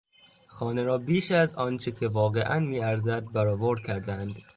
خانه را بیش از آنچه که واقعا میارزد برآورد کردهاند.